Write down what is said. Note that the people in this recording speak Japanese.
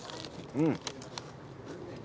うん！